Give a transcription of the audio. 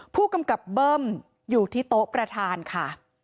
ผู้กำกับเบิ้มอยู่ที่โต๊ะประธานค่ะ